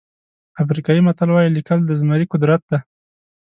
افریقایي متل وایي لیکل د زمري قدرت دی.